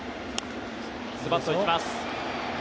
ズバッと行きます。